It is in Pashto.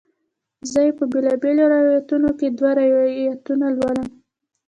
زه یې په بیلابیلو روایتونو کې دوه روایتونه لولم.